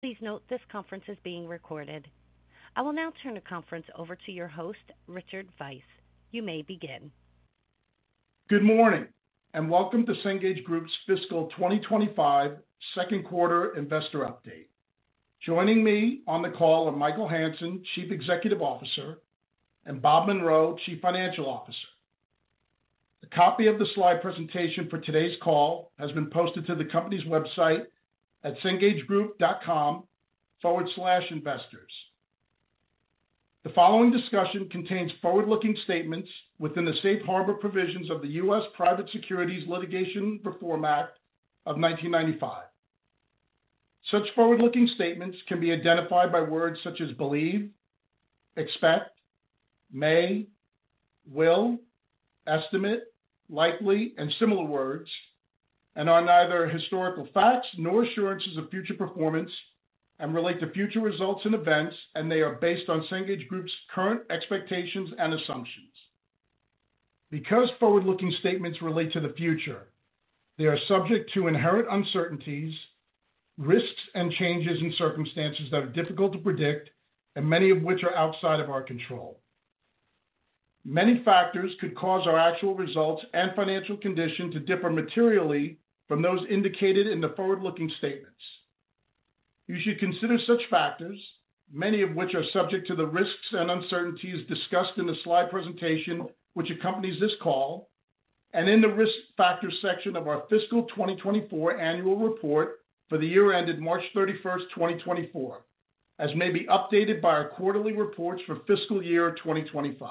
Please note this conference is being recorded. I will now turn the conference over to your host, Richard Veith. You may begin. Good morning and welcome to Cengage Group's fiscal 2025 second quarter investor update. Joining me on the call are Michael Hansen, Chief Executive Officer, and Bob Munro, Chief Financial Officer. A copy of the slide presentation for today's call has been posted to the company's website at cengagegroup.com/investors. The following discussion contains forward-looking statements within the safe harbor provisions of the U.S. Private Securities Litigation Reform Act of 1995. Such forward-looking statements can be identified by words such as believe, expect, may, will, estimate, likely, and similar words, and are neither historical facts nor assurances of future performance and relate to future results and events, and they are based on Cengage Group's current expectations and assumptions. Because forward-looking statements relate to the future, they are subject to inherent uncertainties, risks, and changes in circumstances that are difficult to predict, and many of which are outside of our control. Many factors could cause our actual results and financial condition to differ materially from those indicated in the forward-looking statements. You should consider such factors, many of which are subject to the risks and uncertainties discussed in the slide presentation which accompanies this call, and in the risk factors section of our fiscal 2024 annual report for the year ended March 31st, 2024, as may be updated by our quarterly reports for fiscal year 2025.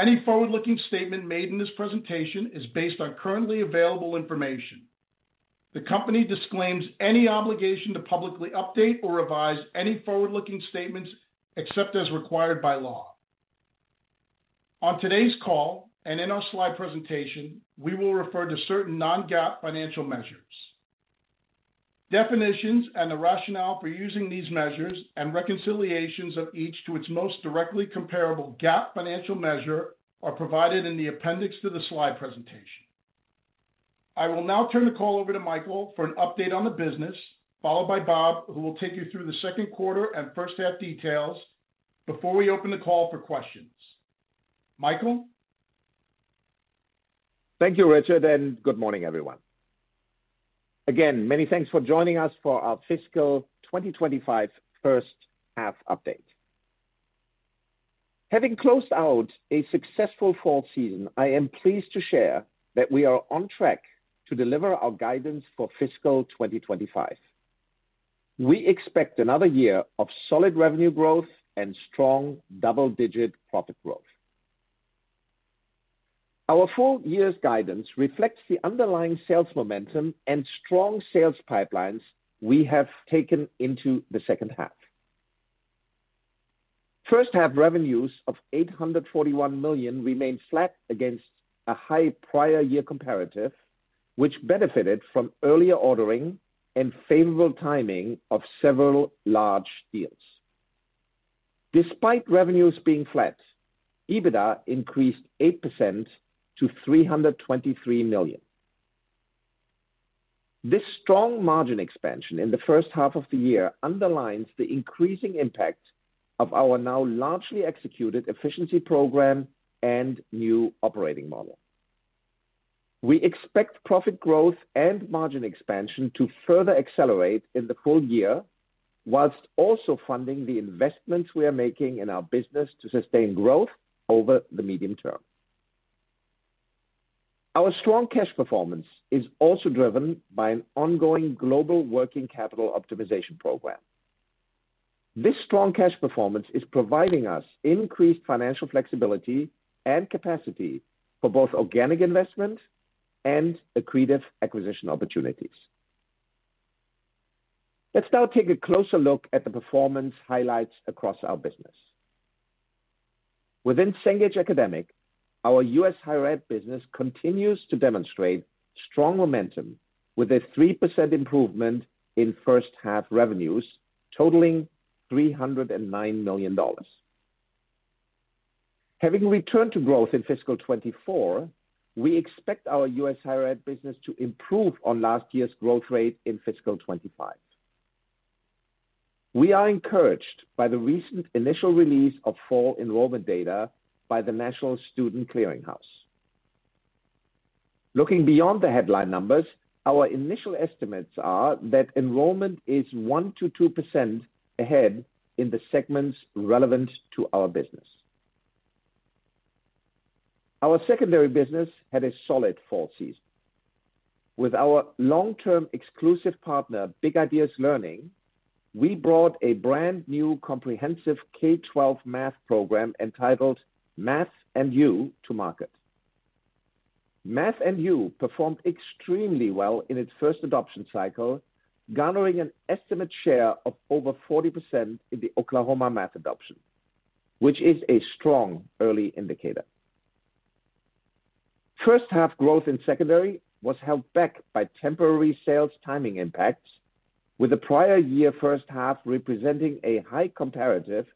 Any forward-looking statement made in this presentation is based on currently available information. The company disclaims any obligation to publicly update or revise any forward-looking statements except as required by law. On today's call and in our slide presentation, we will refer to certain non-GAAP financial measures. Definitions and the rationale for using these measures and reconciliations of each to its most directly comparable GAAP financial measure are provided in the appendix to the slide presentation. I will now turn the call over to Michael for an update on the business, followed by Bob, who will take you through the second quarter and first half details before we open the call for questions. Michael? Thank you, Richard, and good morning, everyone. Again, many thanks for joining us for our Fiscal 2025 first half update. Having closed out a successful fall season, I am pleased to share that we are on track to deliver our guidance for Fiscal 2025. We expect another year of solid revenue growth and strong double-digit profit growth. Our full year's guidance reflects the underlying sales momentum and strong sales pipelines we have taken into the second half. First-half revenues of $841 million remained flat against a high prior year comparative, which benefited from earlier ordering and favorable timing of several large deals. Despite revenues being flat, EBITDA increased 8% to $323 million. This strong margin expansion in the first half of the year underlines the increasing impact of our now largely executed efficiency program and new operating model. We expect profit growth and margin expansion to further accelerate in the full year, while also funding the investments we are making in our business to sustain growth over the medium term. Our strong cash performance is also driven by an ongoing global working capital optimization program. This strong cash performance is providing us increased financial flexibility and capacity for both organic investment and accretive acquisition opportunities. Let's now take a closer look at the performance highlights across our business. Within Cengage Academic, our U.S. higher ed business continues to demonstrate strong momentum with a 3% improvement in first half revenues totaling $309 million. Having returned to growth in Fiscal 2024, we expect our U.S. higher ed business to improve on last year's growth rate in Fiscal 2025. We are encouraged by the recent initial release of fall enrollment data by the National Student Clearinghouse. Looking beyond the headline numbers, our initial estimates are that enrollment is 1% to 2% ahead in the segments relevant to our business. Our secondary business had a solid fall season. With our long-term exclusive partner, Big Ideas Learning, we brought a brand-new comprehensive K-12 math program entitled Math & YOU to market. Math & YOU performed extremely well in its first adoption cycle, garnering an estimate share of over 40% in the Oklahoma math adoption, which is a strong early indicator. First-half growth in secondary was held back by temporary sales timing impacts, with the prior year first half representing a high comparative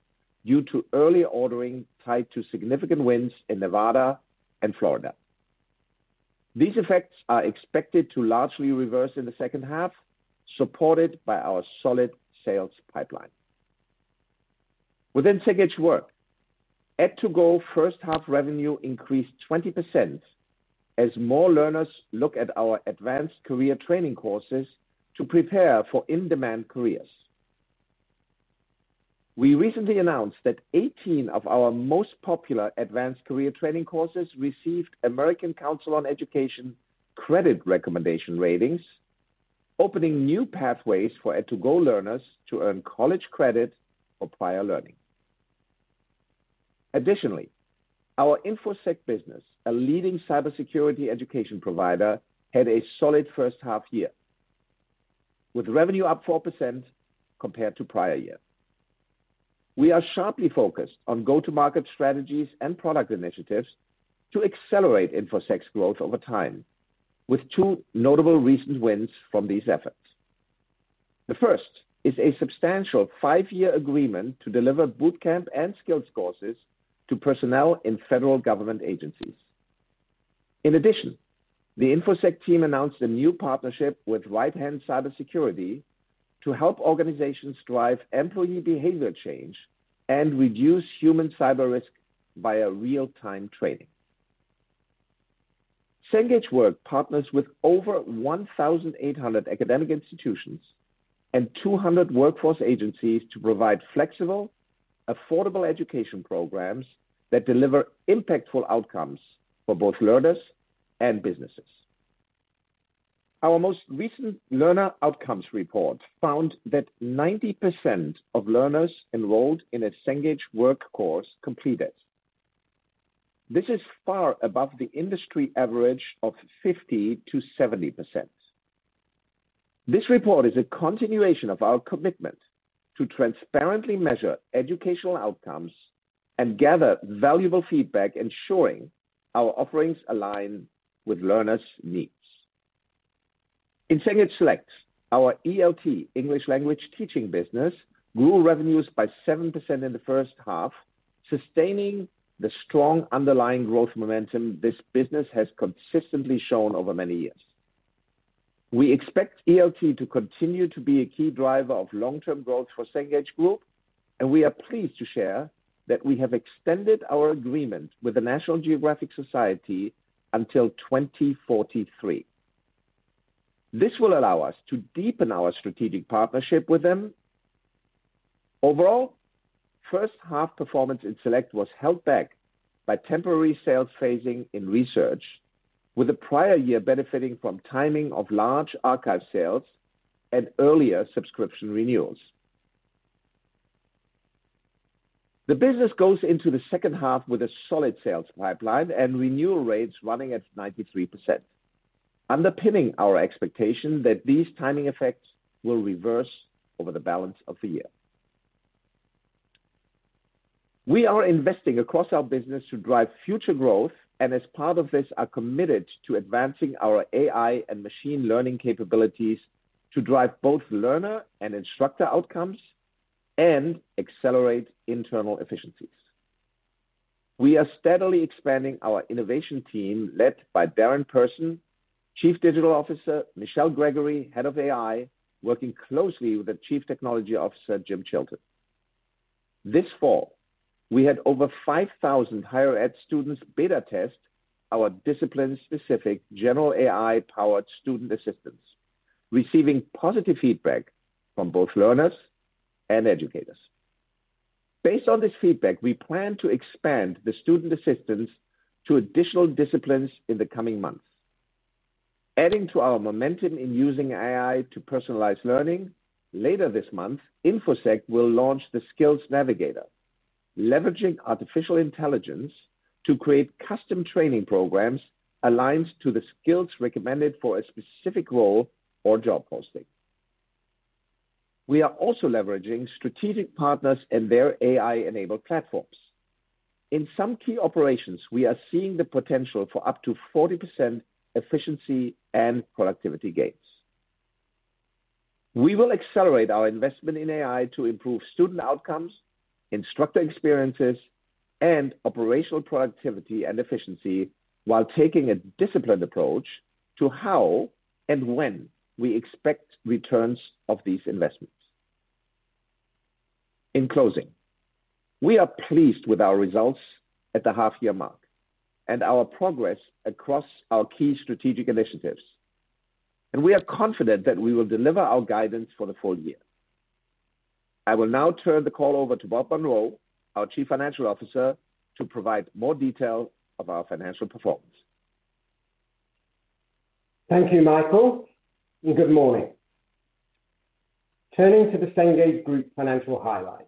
due to early ordering tied to significant wins in Nevada and Florida. These effects are expected to largely reverse in the second half, supported by our solid sales pipeline. Within Cengage Work, ed2go first half revenue increased 20% as more learners look at our advanced career training courses to prepare for in-demand careers. We recently announced that 18 of our most popular advanced career training courses received American Council on Education credit recommendation ratings, opening new pathways for ed2go learners to earn college credit for prior learning. Additionally, our Infosec business, a leading cybersecurity education provider, had a solid first half year, with revenue up 4% compared to prior year. We are sharply focused on go-to-market strategies and product initiatives to accelerate Infosec's growth over time, with two notable recent wins from these efforts. The first is a substantial five-year agreement to deliver bootcamp and skills courses to personnel in federal government agencies. In addition, the Infosec team announced a new partnership with Right-Hand Cybersecurity to help organizations drive employee behavior change and reduce human cyber risk via real-time training. Cengage Work partners with over 1,800 academic institutions and 200 workforce agencies to provide flexible, affordable education programs that deliver impactful outcomes for both learners and businesses. Our most recent learner outcomes report found that 90% of learners enrolled in a Cengage Work course completed. This is far above the industry average of 50%-70%. This report is a continuation of our commitment to transparently measure educational outcomes and gather valuable feedback, ensuring our offerings align with learners' needs. In Cengage Select, our ELT English language teaching business grew revenues by 7% in the first half, sustaining the strong underlying growth momentum this business has consistently shown over many years. We expect ELT to continue to be a key driver of long-term growth for Cengage Group, and we are pleased to share that we have extended our agreement with the National Geographic Society until 2043. This will allow us to deepen our strategic partnership with them. Overall, first half performance in Select was held back by temporary sales phasing in research, with the prior year benefiting from timing of large archive sales and earlier subscription renewals. The business goes into the second half with a solid sales pipeline and renewal rates running at 93%, underpinning our expectation that these timing effects will reverse over the balance of the year. We are investing across our business to drive future growth, and as part of this, are committed to advancing our AI and machine learning capabilities to drive both learner and instructor outcomes and accelerate internal efficiencies. We are steadily expanding our innovation team led by Darren Person, Chief Digital Officer. Michelle Gregory, Head of AI, working closely with the Chief Technology Officer, Jim Chilton. This fall, we had over 5,000 higher ed students beta test our discipline-specific generative AI-powered student assistant, receiving positive feedback from both learners and educators. Based on this feedback, we plan to expand the student assistant to additional disciplines in the coming months. Adding to our momentum in using AI to personalize learning, later this month, Infosec will launch the Skills Navigator, leveraging artificial intelligence to create custom training programs aligned to the skills recommended for a specific role or job posting. We are also leveraging strategic partners and their AI-enabled platforms. In some key operations, we are seeing the potential for up to 40% efficiency and productivity gains. We will accelerate our investment in AI to improve student outcomes, instructor experiences, and operational productivity and efficiency while taking a disciplined approach to how and when we expect returns of these investments. In closing, we are pleased with our results at the half-year mark and our progress across our key strategic initiatives, and we are confident that we will deliver our guidance for the full year. I will now turn the call over to Bob Munro, our Chief Financial Officer, to provide more detail of our financial performance. Thank you, Michael, and good morning. Turning to the Cengage Group financial highlights,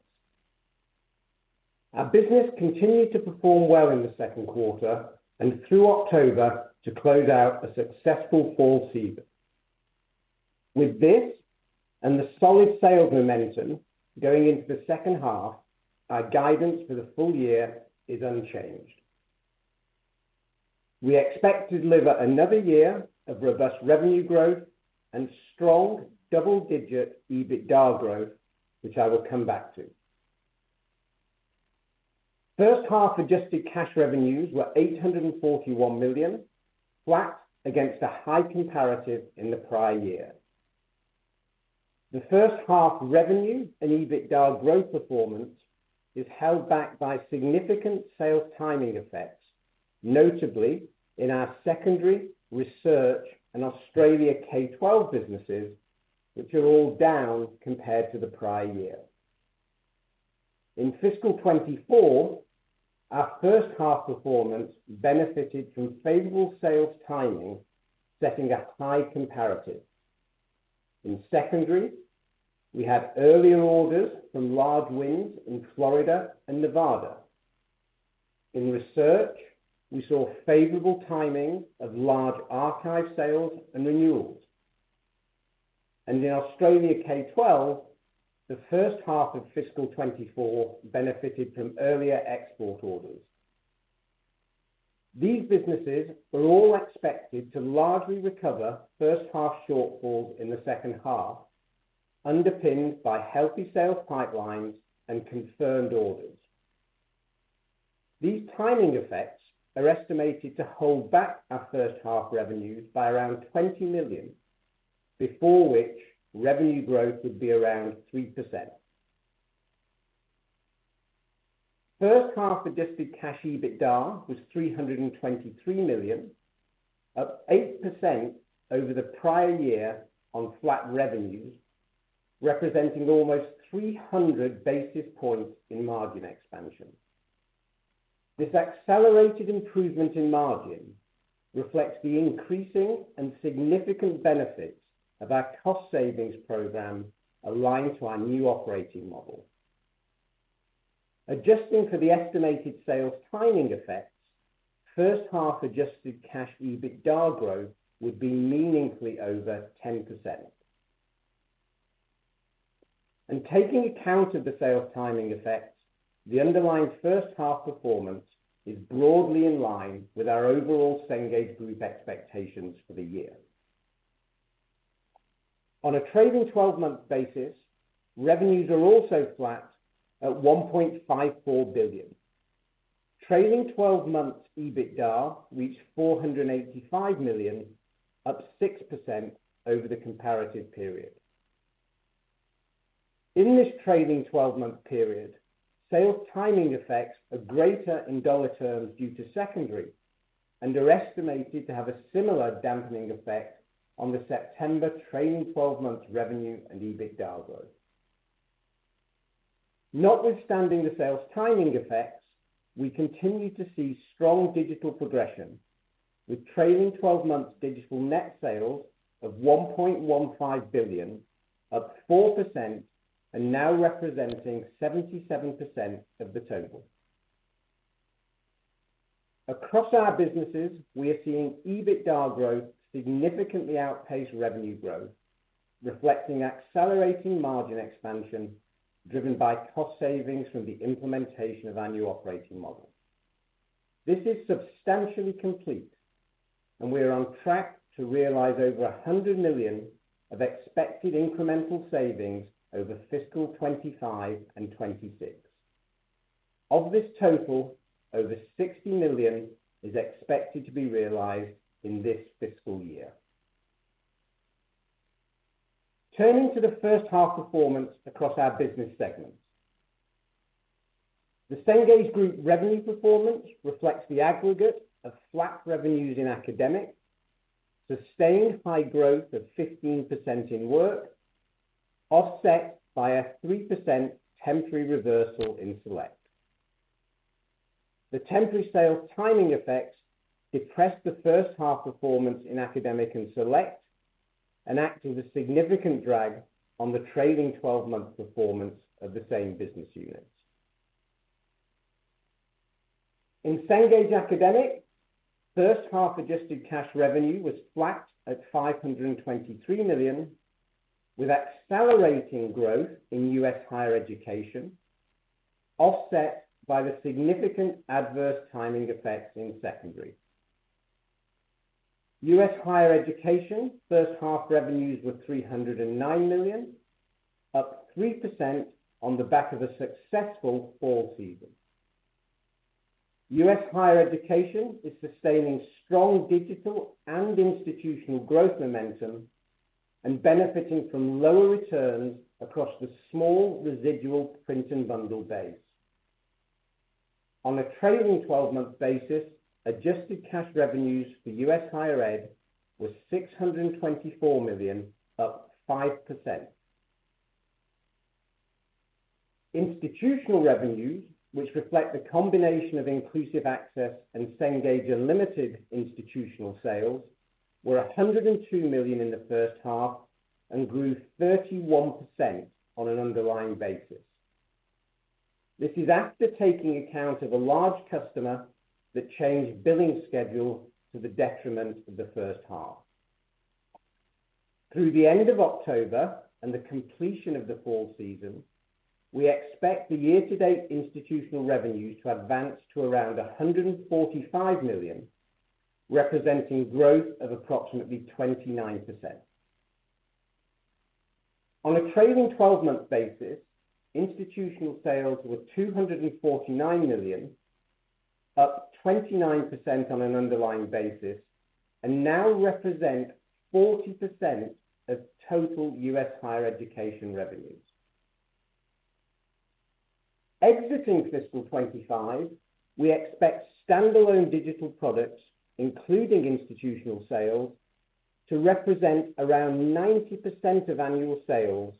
our business continued to perform well in the second quarter and through October to close out a successful fall season. With this and the solid sales momentum going into the second half, our guidance for the full year is unchanged. We expect to deliver another year of robust revenue growth and strong double-digit EBITDA growth, which I will come back to. First-half adjusted cash revenues were $841 million, flat against a high comparative in the prior year. The first-half revenue and EBITDA growth performance is held back by significant sales timing effects, notably in our secondary, research, and Australia K-12 businesses, which are all down compared to the prior year. In Fiscal 2024, our first-half performance benefited from favorable sales timing, setting a high comparative. In secondary, we had earlier orders from large wins in Florida and Nevada. In research, we saw favorable timing of large archive sales and renewals. And in Australia K-12, the first half of Fiscal 2024 benefited from earlier export orders. These businesses were all expected to largely recover first-half shortfalls in the second half, underpinned by healthy sales pipelines and confirmed orders. These timing effects are estimated to hold back our first-half revenues by around $20 million, before which revenue growth would be around 3%. First-half adjusted cash EBITDA was $323 million, up 8% over the prior year on flat revenues, representing almost 300 basis points in margin expansion. This accelerated improvement in margin reflects the increasing and significant benefits of our cost savings program aligned to our new operating model. Adjusting for the estimated sales timing effects, first-half adjusted cash EBITDA growth would be meaningfully over 10%. Taking account of the sales timing effects, the underlying first-half performance is broadly in line with our overall Cengage Group expectations for the year. On a trailing 12-month basis, revenues are also flat at $1.54 billion. Trailing 12-month EBITDA reached $485 million, up 6% over the comparative period. In this trailing 12-month period, sales timing effects are greater in dollar terms due to secondary and are estimated to have a similar dampening effect on the September trailing 12-month revenue and EBITDA growth. Notwithstanding the sales timing effects, we continue to see strong digital progression, with trailing 12-month digital net sales of $1.15 billion, up 4% and now representing 77% of the total. Across our businesses, we are seeing EBITDA growth significantly outpace revenue growth, reflecting accelerating margin expansion driven by cost savings from the implementation of our new operating model. This is substantially complete, and we are on track to realize over $100 million of expected incremental savings over Fiscal 2025 and 2026. Of this total, over $60 million is expected to be realized in this fiscal year. Turning to the first-half performance across our business segments, the Cengage Group revenue performance reflects the aggregate of flat revenues in academic, sustained high growth of 15% in work, offset by a 3% temporary reversal in Select. The temporary sales timing effects depressed the first-half performance in academic and Select, enacting a significant drag on the trailing 12-month performance of the same business units. In Cengage Academic, first-half adjusted cash revenue was flat at $523 million, with accelerating growth in U.S. higher education, offset by the significant adverse timing effects in secondary. U.S. higher education first-half revenues were $309 million, up 3% on the back of a successful fall season. U.S. higher education is sustaining strong digital and institutional growth momentum and benefiting from lower returns across the small residual print and bundle base. On a Trailing 12-Month basis, adjusted cash revenues for U.S. higher ed were $624 million, up 5%. Institutional revenues, which reflect the combination of Inclusive Access and Cengage Unlimited institutional sales, were $102 million in the first half and grew 31% on an underlying basis. This is after taking account of a large customer that changed billing schedule to the detriment of the first half. Through the end of October and the completion of the fall season, we expect the year-to-date institutional revenues to advance to around $145 million, representing growth of approximately 29%. On a Trailing 12-Month basis, institutional sales were $249 million, up 29% on an underlying basis, and now represent 40% of total U.S. higher education revenues. Exiting Fiscal 2025, we expect standalone digital products, including institutional sales, to represent around 90% of annual sales,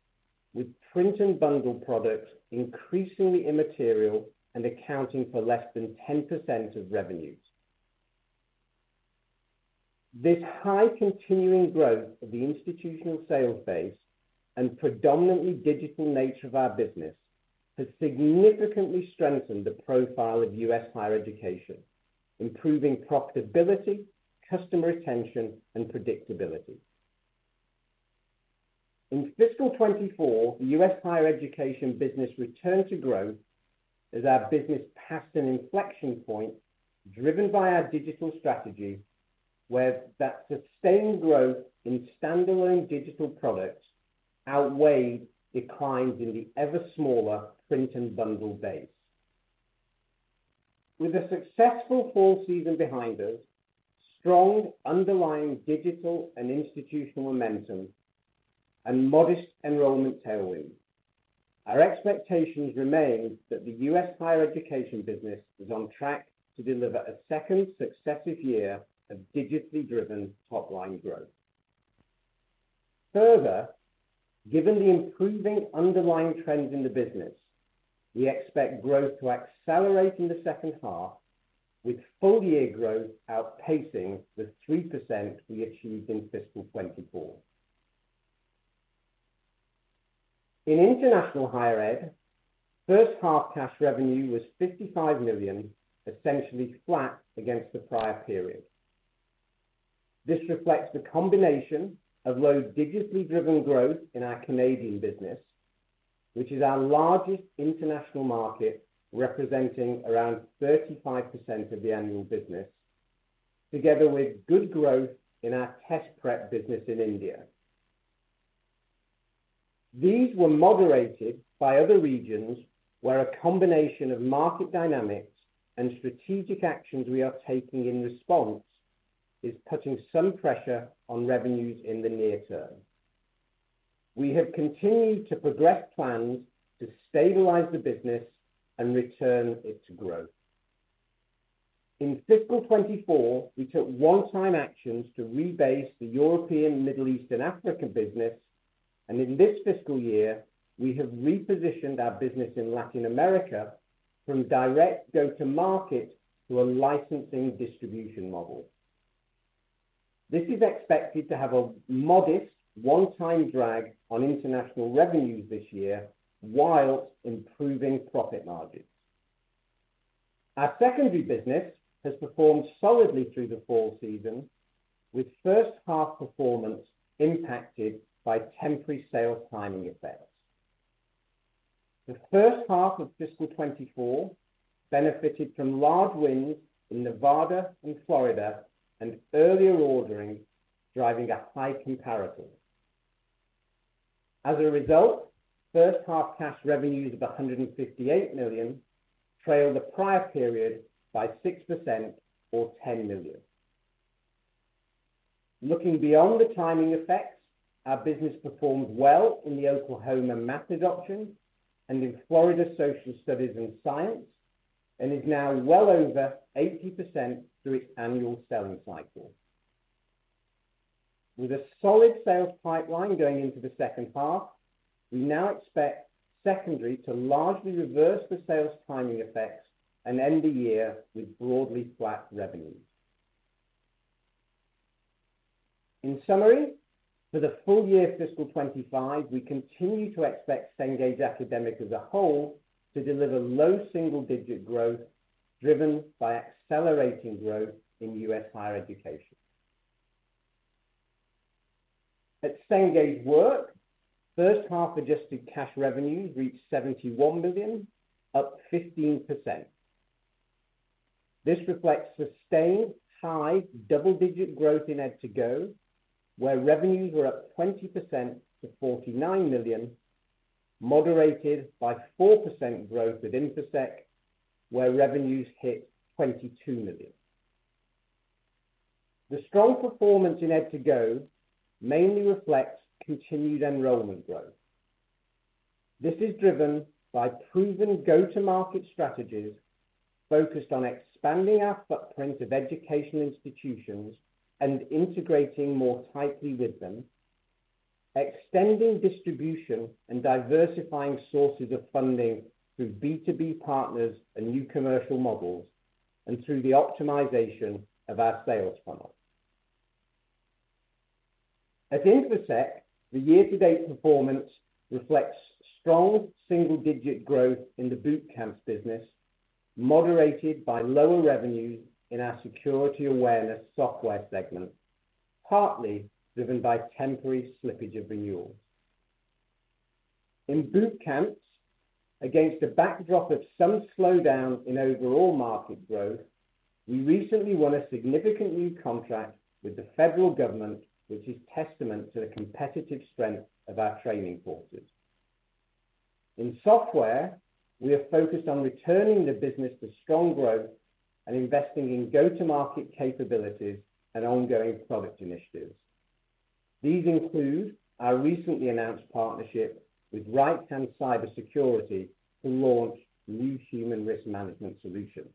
with print and bundle products increasingly immaterial and accounting for less than 10% of revenues. This high continuing growth of the institutional sales base and predominantly digital nature of our business has significantly strengthened the profile of U.S. higher education, improving profitability, customer retention, and predictability. In Fiscal 2024, the U.S. higher education business returned to growth as our business passed an inflection point driven by our digital strategy, where that sustained growth in standalone digital products outweighed declines in the ever smaller print and bundle base. With a successful fall season behind us, strong underlying digital and institutional momentum, and modest enrollment tailwinds, our expectations remain that the U.S. higher education business is on track to deliver a second successive year of digitally driven top-line growth. Further, given the improving underlying trends in the business, we expect growth to accelerate in the second half, with full-year growth outpacing the 3% we achieved in fiscal 24. In international higher ed, first-half cash revenue was $55 million, essentially flat against the prior period. This reflects the combination of low digitally driven growth in our Canadian business, which is our largest international market, representing around 35% of the annual business, together with good growth in our test prep business in India. These were moderated by other regions where a combination of market dynamics and strategic actions we are taking in response is putting some pressure on revenues in the near term. We have continued to progress plans to stabilize the business and return it to growth. In Fiscal 2024, we took one-time actions to rebase the European, Middle East, and African business, and in this fiscal year, we have repositioned our business in Latin America from direct go-to-market to a licensing distribution model. This is expected to have a modest one-time drag on international revenues this year while improving profit margins. Our secondary business has performed solidly through the fall season, with first-half performance impacted by temporary sales timing effects. The first half of Fiscal 2024 benefited from large wins in Nevada and Florida and earlier ordering driving a high comparative. As a result, first-half cash revenues of $158 million trailed the prior period by 6% or $10 million. Looking beyond the timing effects, our business performed well in the Oklahoma Math adoption and in Florida Social Studies and Science and is now well over 80% through its annual selling cycle. With a solid sales pipeline going into the second half, we now expect secondary to largely reverse the sales timing effects and end the year with broadly flat revenues. In summary, for the full year Fiscal 2025, we continue to expect Cengage Academic as a whole to deliver low single-digit growth driven by accelerating growth in U.S. higher education. At Cengage Work, first-half adjusted cash revenues reached $71 million, up 15%. This reflects sustained high double-digit growth in ed2go, where revenues were up 20% to $49 million, moderated by 4% growth at Infosec, where revenues hit $22 million. The strong performance in ed2go mainly reflects continued enrollment growth. This is driven by proven go-to-market strategies focused on expanding our footprint of educational institutions and integrating more tightly with them, extending distribution and diversifying sources of funding through B2B partners and new commercial models, and through the optimization of our sales funnel. At Infosec, the year-to-date performance reflects strong single-digit growth in the bootcamps business, moderated by lower revenues in our security awareness software segment, partly driven by temporary slippage of renewals. In bootcamps, against a backdrop of some slowdown in overall market growth, we recently won a significant new contract with the federal government, which is testament to the competitive strength of our training courses. In software, we are focused on returning the business to strong growth and investing in go-to-market capabilities and ongoing product initiatives. These include our recently announced partnership with Right-Hand Cybersecurity to launch new human risk management solutions.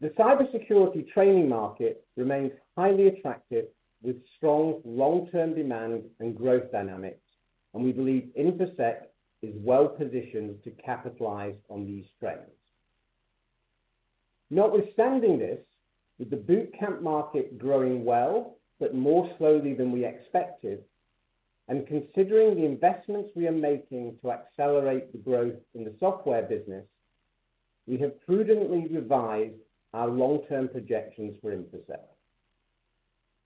The cybersecurity training market remains highly attractive with strong long-term demand and growth dynamics, and we believe Infosec is well positioned to capitalize on these trends. Notwithstanding this, with the Bootcamp market growing well, but more slowly than we expected, and considering the investments we are making to accelerate the growth in the software business, we have prudently revised our long-term projections for Infosec.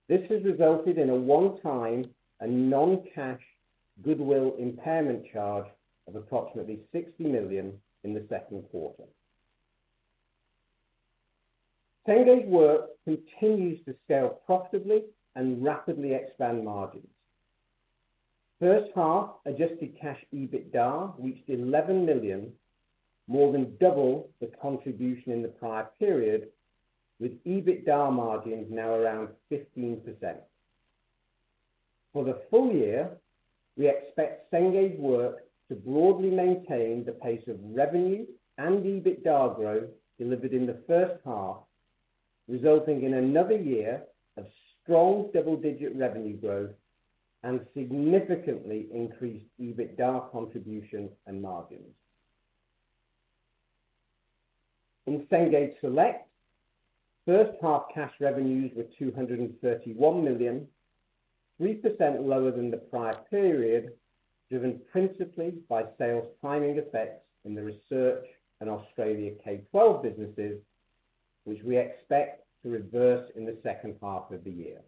This has resulted in a one-time and non-cash goodwill impairment charge of approximately $60 million in the second quarter. Cengage Work continues to scale profitably and rapidly expand margins. First-half adjusted cash EBITDA reached $11 million, more than double the contribution in the prior period, with EBITDA margins now around 15%. For the full year, we expect Cengage Work to broadly maintain the pace of revenue and EBITDA growth delivered in the first half, resulting in another year of strong double-digit revenue growth and significantly increased EBITDA contribution and margins. In Cengage Select, first-half cash revenues were $231 million, 3% lower than the prior period, driven principally by sales timing effects in the research and Australia K-12 businesses, which we expect to reverse in the second half of the year.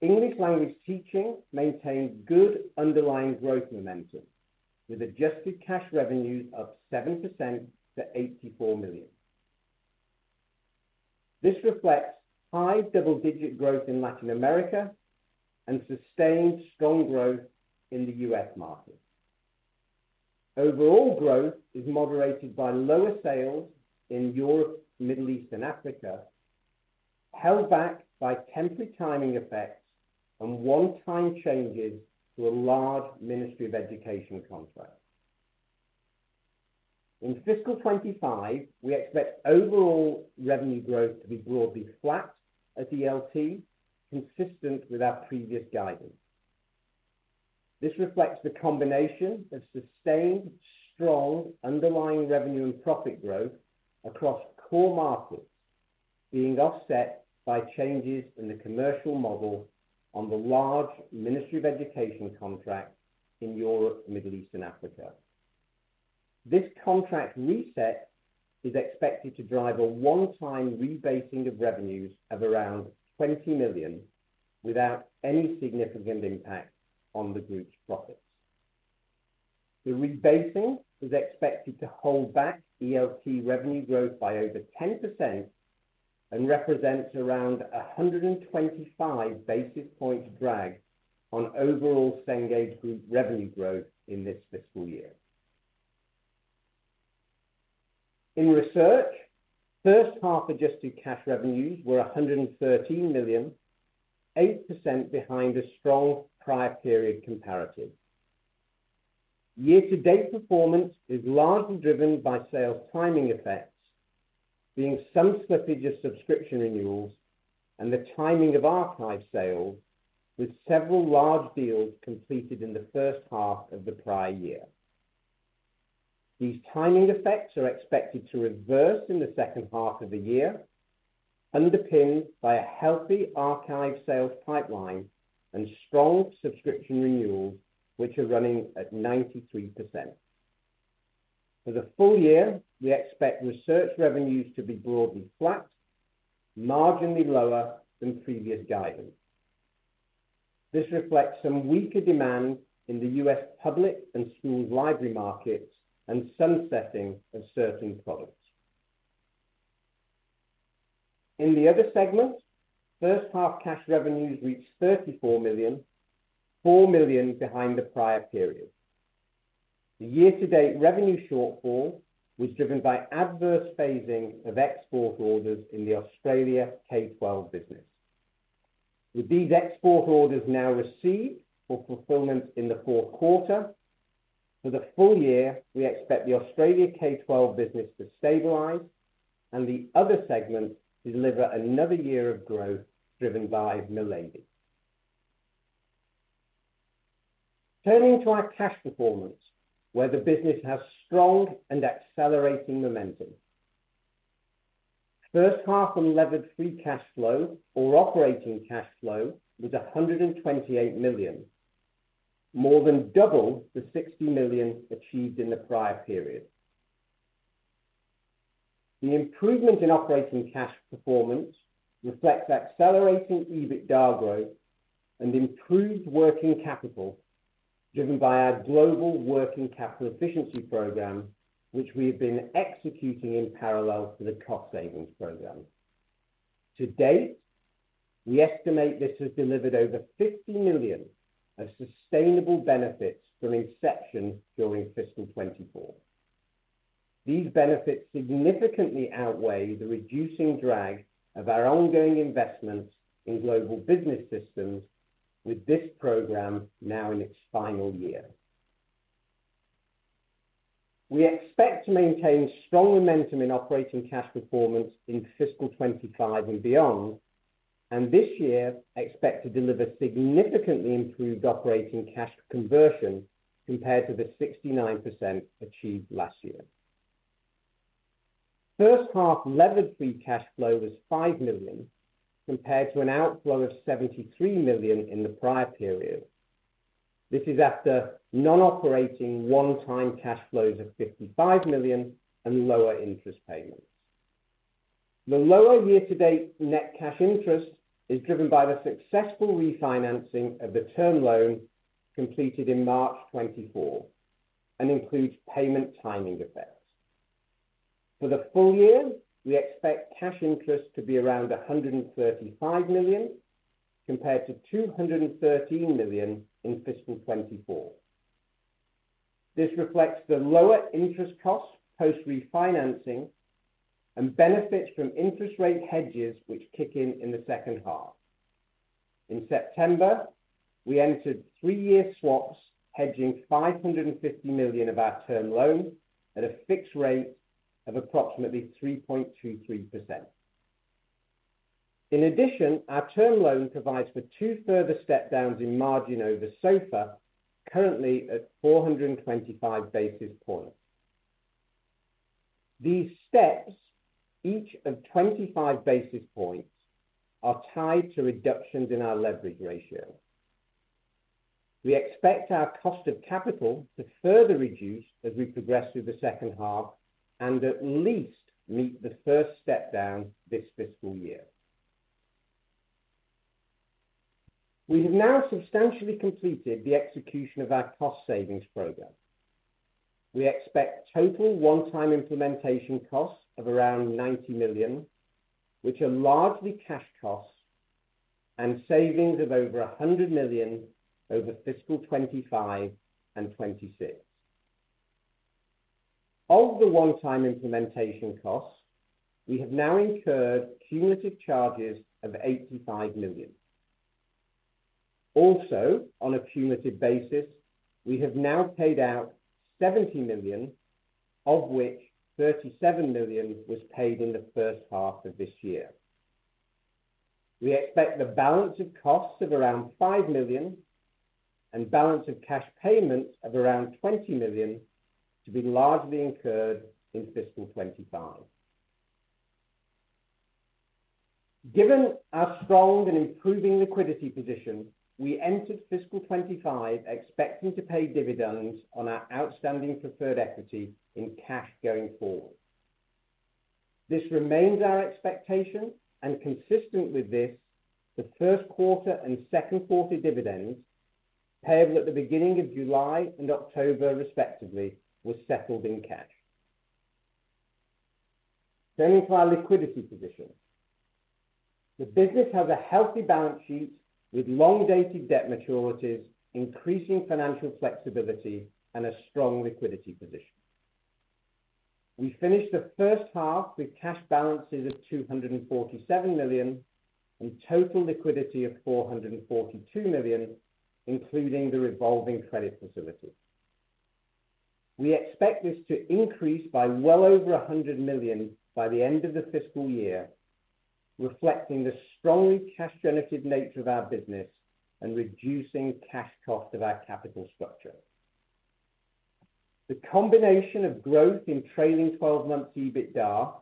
English language teaching maintained good underlying growth momentum, with adjusted cash revenues up 7% to $84 million. This reflects high double-digit growth in Latin America and sustained strong growth in the US market. Overall growth is moderated by lower sales in Europe, Middle East, and Africa, held back by temporary timing effects and one-time changes to a large Ministry of Education contract. In Fiscal 2025, we expect overall revenue growth to be broadly flat at ELT, consistent with our previous guidance. This reflects the combination of sustained strong underlying revenue and profit growth across core markets being offset by changes in the commercial model on the large Ministry of Education contract in Europe, Middle East, and Africa. This contract reset is expected to drive a one-time rebasing of revenues of around $20 million without any significant impact on the group's profits. The rebasing is expected to hold back ELT revenue growth by over 10% and represents around 125 basis points drag on overall Cengage Group revenue growth in this fiscal year. In research, first-half adjusted cash revenues were $113 million, 8% behind a strong prior period comparative. Year-to-date performance is largely driven by sales timing effects, being some slippage of subscription renewals and the timing of archive sales, with several large deals completed in the first half of the prior year. These timing effects are expected to reverse in the second half of the year, underpinned by a healthy archive sales pipeline and strong subscription renewals, which are running at 93%. For the full year, we expect research revenues to be broadly flat, marginally lower than previous guidance. This reflects some weaker demand in the U.S. public and schools' library markets and some selling of certain products. In the other segment, first-half cash revenues reached $34 million, $4 million behind the prior period. The year-to-date revenue shortfall was driven by adverse phasing of export orders in the Australia K-12 business. With these export orders now received for fulfillment in the fourth quarter, for the full year, we expect the Australia K-12 business to stabilize and the other segment to deliver another year of growth driven by Milady. Turning to our cash performance, where the business has strong and accelerating momentum. First-half unlevered free cash flow or operating cash flow was $128 million, more than double the $60 million achieved in the prior period. The improvement in operating cash performance reflects accelerating EBITDA growth and improved working capital driven by our global working capital efficiency program, which we have been executing in parallel to the cost savings program. To date, we estimate this has delivered over $50 million of sustainable benefits from inception during Fiscal 2024. These benefits significantly outweigh the reducing drag of our ongoing investments in global business systems, with this program now in its final year. We expect to maintain strong momentum in operating cash performance in Fiscal 2025 and beyond, and this year expect to deliver significantly improved operating cash conversion compared to the 69% achieved last year. First-half levered free cash flow was $5 million compared to an outflow of $73 million in the prior period. This is after non-operating one-time cash flows of $55 million and lower interest payments. The lower year-to-date net cash interest is driven by the successful refinancing of the term loan completed in March 2024 and includes payment timing effects. For the full year, we expect cash interest to be around $135 million compared to $213 million in Fiscal 2024. This reflects the lower interest costs post refinancing and benefits from interest rate hedges which kick in in the second half. In September, we entered three-year swaps hedging $550 million of our term loan at a fixed rate of approximately 3.23%. In addition, our term loan provides for two further step-downs in margin over SOFR, currently at 425 basis points. These steps, each of 25 basis points, are tied to reductions in our leverage ratio. We expect our cost of capital to further reduce as we progress through the second half and at least meet the first step-down this fiscal year. We have now substantially completed the execution of our cost savings program. We expect total one-time implementation costs of around $90 million, which are largely cash costs, and savings of over $100 million over fiscal 25 and 26. Of the one-time implementation costs, we have now incurred cumulative charges of $85 million. Also, on a cumulative basis, we have now paid out $70 million, of which $37 million was paid in the first half of this year. We expect the balance of costs of around $5 million and balance of cash payments of around $20 million to be largely incurred in Fiscal 25. Given our strong and improving liquidity position, we entered Fiscal 25 expecting to pay dividends on our outstanding preferred equity in cash going forward. This remains our expectation, and consistent with this, the first quarter and second quarter dividends, payable at the beginning of July and October respectively, were settled in cash. Turning to our liquidity position, the business has a healthy balance sheet with long-dated debt maturities, increasing financial flexibility, and a strong liquidity position. We finished the first half with cash balances of $247 million and total liquidity of $442 million, including the revolving credit facility. We expect this to increase by well over $100 million by the end of the fiscal year, reflecting the strongly cash-generated nature of our business and reducing cash cost of our capital structure. The combination of growth in trailing 12 months EBITDA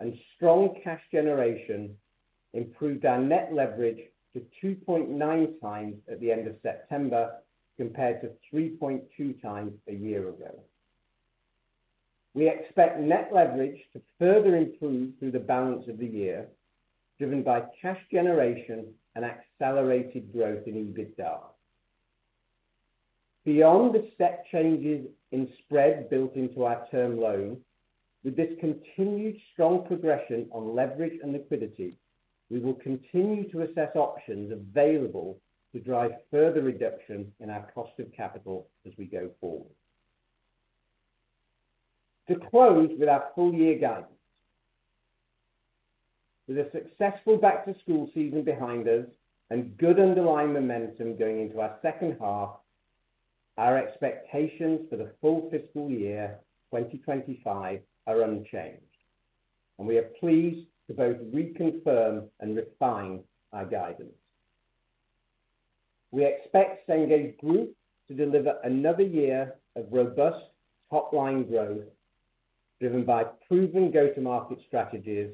and strong cash generation improved our net leverage to 2.9x at the end of September compared to 3.2x a year ago. We expect net leverage to further improve through the balance of the year, driven by cash generation and accelerated growth in EBITDA. Beyond the set changes in spread built into our term loan, with this continued strong progression on leverage and liquidity, we will continue to assess options available to drive further reduction in our cost of capital as we go forward. To close with our full year guidance, with a successful back-to-school season behind us and good underlying momentum going into our second half, our expectations for the full fiscal year 2025 are unchanged, and we are pleased to both reconfirm and refine our guidance. We expect Cengage Group to deliver another year of robust top-line growth driven by proven go-to-market strategies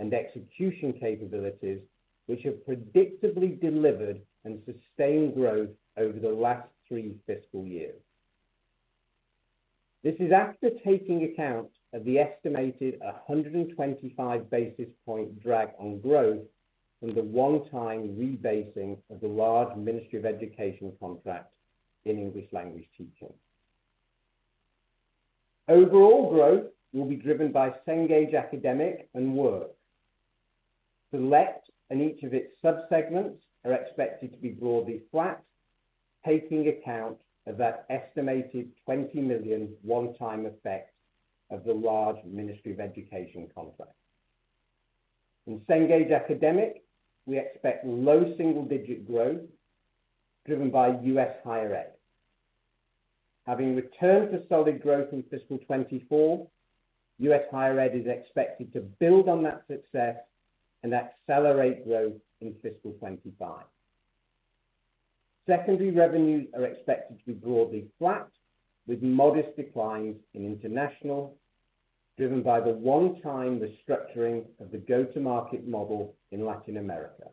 and execution capabilities, which have predictably delivered and sustained growth over the last three fiscal years. This is after taking account of the estimated 125 basis point drag on growth from the one-time rebasing of the large Ministry of Education contract in English language teaching. Overall growth will be driven by Cengage Academic and Work. Select and each of its subsegments are expected to be broadly flat, taking account of that estimated $20 million one-time effect of the large Ministry of Education contract. In Cengage Academic, we expect low single-digit growth driven by U.S. higher ed. Having returned to solid growth in Fiscal 2024, U.S. higher ed is expected to build on that success and accelerate growth in Fiscal 2025. Secondary revenues are expected to be broadly flat, with modest declines in international, driven by the one-time restructuring of the go-to-market model in Latin America.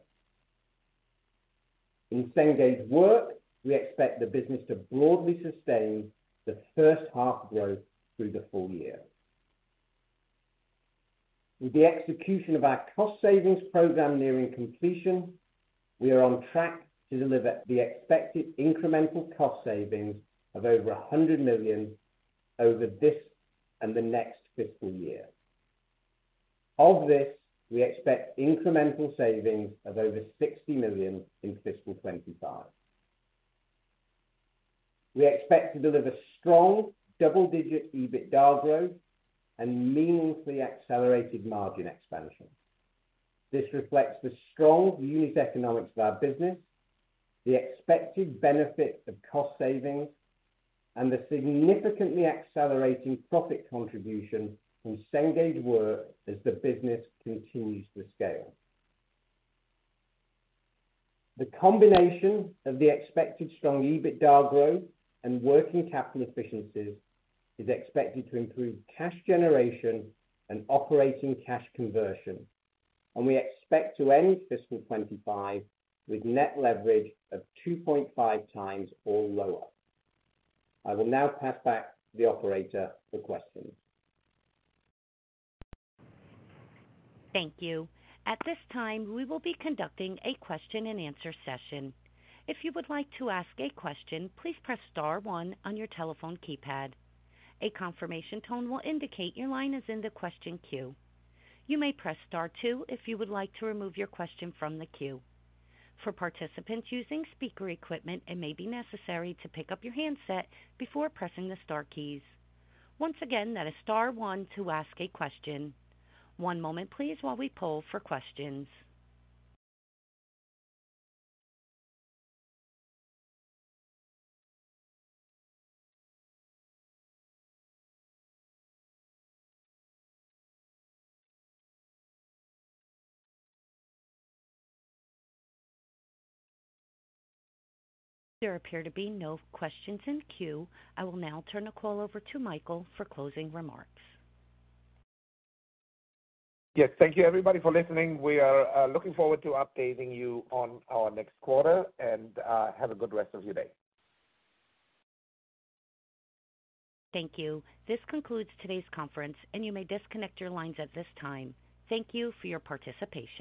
In Cengage Work, we expect the business to broadly sustain the first half growth through the full year. With the execution of our cost savings program nearing completion, we are on track to deliver the expected incremental cost savings of over $100 million over this and the next fiscal year. Of this, we expect incremental savings of over $60 million in Fiscal 2025. We expect to deliver strong double-digit EBITDA growth and meaningfully accelerated margin expansion. This reflects the strong unit economics of our business, the expected benefit of cost savings, and the significantly accelerating profit contribution from Cengage Work as the business continues to scale. The combination of the expected strong EBITDA growth and working capital efficiencies is expected to improve cash generation and operating cash conversion, and we expect to end Fiscal 2025 with net leverage of 2.5x or lower. I will now pass back to the operator for questions. Thank you. At this time, we will be conducting a question-and-answer session. If you would like to ask a question, please press star one on your telephone keypad. A confirmation tone will indicate your line is in the question queue. You may press star two if you would like to remove your question from the queue. For participants using speaker equipment, it may be necessary to pick up your handset before pressing the star keys. Once again, that is star one to ask a question. One moment, please, while we poll for questions. There appear to be no questions in queue. I will now turn the call over to Michael for closing remarks. Yes, thank you, everybody, for listening. We are looking forward to updating you on our next quarter, and have a good rest of your day. Thank you. This concludes today's conference, and you may disconnect your lines at this time. Thank you for your participation.